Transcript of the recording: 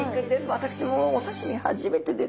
私もお刺身初めてです。